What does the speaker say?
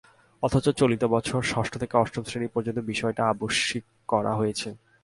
অথচ চলতি বছর ষষ্ঠ থেকে অষ্টম শ্রেণী পর্যন্ত বিষয়টি আবশ্যিক করা হয়েছে।